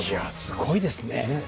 すごいですね。